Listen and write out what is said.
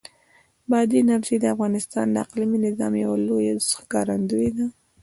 بادي انرژي د افغانستان د اقلیمي نظام یوه لویه ښکارندوی ده.